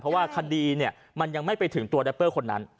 เพราะว่าคดีมันยังไม่ไปถึงตัวแรปเปอร์คนนั้น